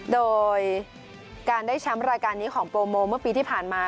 โดยการได้แชมป์รายการนี้ของโปรโมเมื่อปีที่ผ่านมา